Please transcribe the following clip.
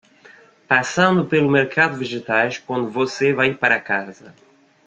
Passando pelo mercado de vegetais quando você vai para casa